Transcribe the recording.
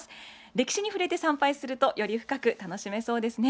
歴史に触れて参拝するとより深く楽しめそうですね。